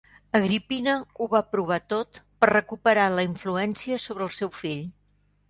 Agripina ho va provar tot per recuperar la influència sobre el seu fill.